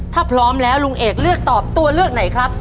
ถ้าพร้อมแล้วลุงเอกเลือกตอบตัวเลือกไหนครับ